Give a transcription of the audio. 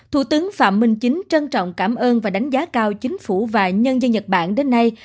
thủ tướng phạm minh chính trân trọng cảm ơn và đánh giá cao chính phủ và nhân dân nhật bản đến nay